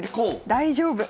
大丈夫。